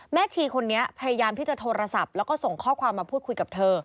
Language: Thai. ชีคนนี้พยายามที่จะโทรศัพท์แล้วก็ส่งข้อความมาพูดคุยกับเธอ